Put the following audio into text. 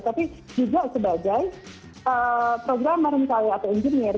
tapi juga sebagai programmer kua atau engineer